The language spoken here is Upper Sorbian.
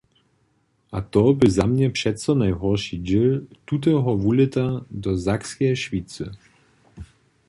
A to bě za mnje přeco najhórši dźěl tuteho wulěta do Sakskeje Šwicy.